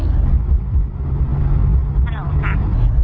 ฮัลโหลค่ะ